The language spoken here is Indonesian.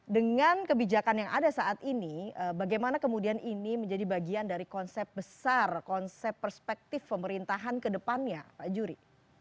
dengan kebijakan yang ada saat ini bagaimana kemudian ini menjadi bagian dari konsep besar konsep perspektif pemerintahan kedepannya pak juri